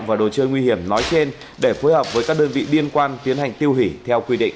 và đồ chơi nguy hiểm nói trên để phối hợp với các đơn vị liên quan tiến hành tiêu hủy theo quy định